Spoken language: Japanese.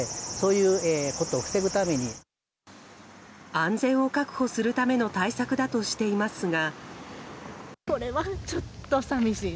安全を確保するための対策だとしていますが。